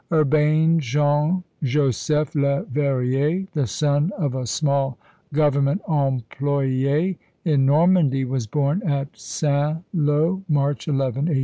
Urbain Jean Joseph Leverrier, the son of a small Government employé in Normandy, was born at Saint Lô, March 11, 1811.